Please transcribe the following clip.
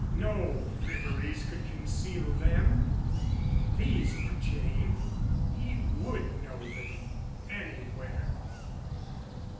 No fripperies could conceal them. These were Jane. He would know them anywhere.